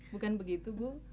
bukan begitu bu